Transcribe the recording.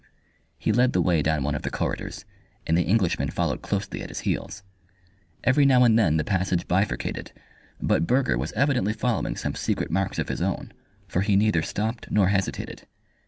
He led the way down one of the corridors, and the Englishman followed closely at his heels. Every now and then the passage bifurcated, but Burger was evidently following some secret marks of his own, for he neither stopped nor hesitated.